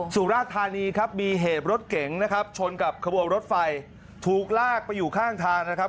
สุราธานีครับมีเหตุรถเก๋งนะครับชนกับขบวนรถไฟถูกลากไปอยู่ข้างทางนะครับ